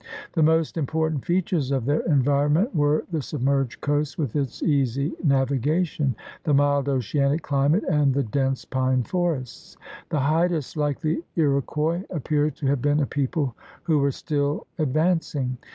The most important features of their environment were the submerged coast with its easy navigation, the mild oceanic climate, and the dense pine forests. The Haidas, like the Iroquois, appear to have been a people who were still ad vancing.